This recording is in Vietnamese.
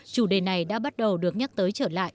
chủ đề này đã bắt đầu được nhắc tới trở lại